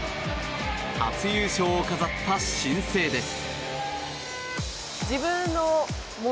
初優勝を飾った新星です。